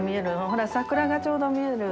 ほら桜がちょうど見える。